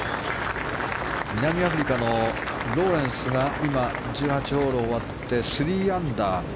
南アフリカのローレンスが今、１８ホール終わって３アンダー。